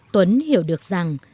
tuấn hiểu được rằng